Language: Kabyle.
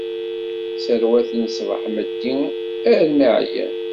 Serwaten sbeḥ-meḍḍi armi ɛyan